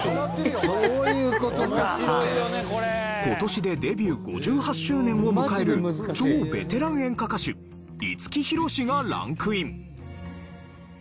今年でデビュー５８周年を迎える超ベテラン演歌歌手五木ひろしがランクイン。